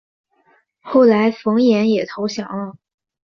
后来冯衍也投降了。